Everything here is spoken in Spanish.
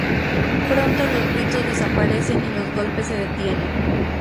Pronto los gritos desaparecen y los golpes se detienen.